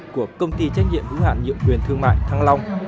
của công ty trách nhiệm hữu hạn nhiệm quyền thương mại thăng long